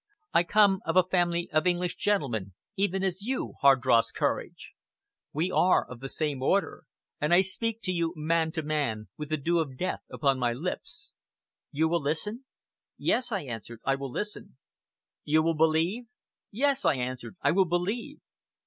I come of a family of English gentlemen, even as you, Hardross Courage. We are of the same order, and I speak to you man to man, with the dew of death upon my lips. You will listen?" "Yes!" I answered, "I will listen!" "You will believe?" "Yes!" I answered, "I will believe!"